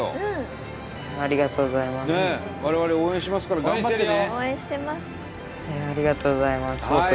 我々応援しますから頑張ってね。